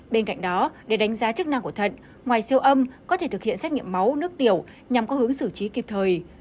bên cạnh đó để đánh giá chức năng của thận ngoài siêu âm có thể thực hiện xét nghiệm máu nước tiểu nhằm có hướng xử trí kịp thời